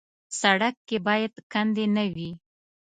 سړک کې باید کندې نه وي.